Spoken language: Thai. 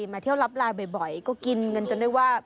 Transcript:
มาเที่ยวรับไลน์บ่อยก็กินกันจนได้ว่า